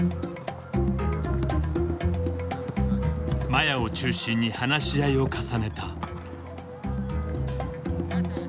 麻也を中心に話し合いを重ねた。